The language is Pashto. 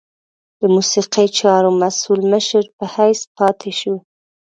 د موسیقي چارو مسؤل مشر په حیث پاته شو.